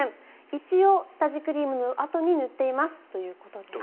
一応、下地クリームのあとに塗っていますということです。